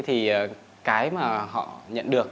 thì cái mà họ nhận được